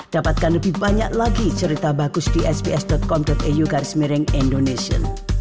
dapatkan lebih banyak lagi cerita bagus di sps com eu garis miring indonesia